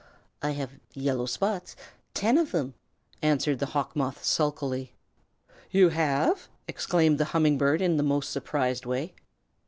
"I have yellow spots ten of them," answered the Hawk Moth sulkily. "You have?" exclaimed the Humming Bird in the most surprised way.